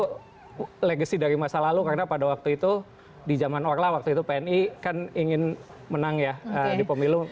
itu legacy dari masa lalu karena pada waktu itu di zaman orla waktu itu pni kan ingin menang ya di pemilu